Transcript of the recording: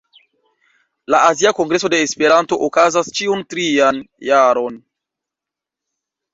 La Azia Kongreso de Esperanto okazas ĉiun trian jaron.